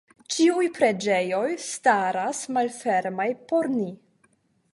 Ĉiuj preĝejoj staras malfermaj por ni.